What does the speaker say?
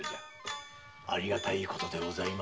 ありがたいことでございます。